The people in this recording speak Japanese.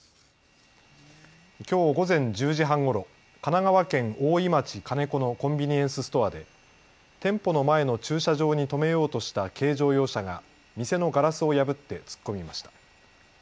きょう午前１０時半ごろ神奈川県大井町金子のコンビニエンスストアで店舗の前の駐車場に止めようとした軽乗用車が店のガラスを破って突っ込みました。